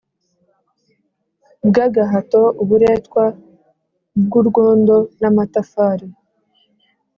bw agahato uburetwa bw urwondo n amatafari